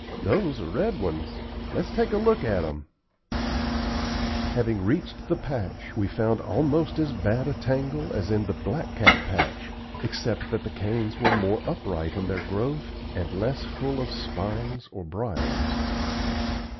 "Those are red ones. Let's take a look at 'em." Having reached the patch, we found almost as bad a tangle as in the blackcap patch, except that the canes were more upright in their growth and less full of spines or briers.